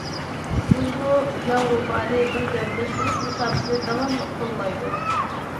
جۇڭگو ياۋروپانى بىر گەۋدىلەشتۈرۈش مۇساپىسىنى داۋاملىق قوللايدۇ.